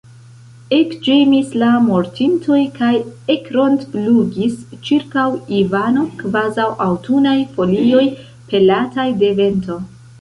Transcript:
Ekĝemis la mortintoj kaj ekrondflugis ĉirkaŭ Ivano, kvazaŭ aŭtunaj folioj, pelataj de vento.